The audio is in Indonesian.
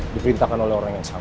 diperintahkan oleh orang yang sama